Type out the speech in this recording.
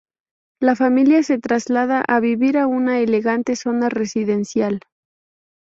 La familia se traslada a vivir a una elegante zona residencial.